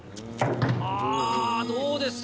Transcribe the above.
あー、どうですか？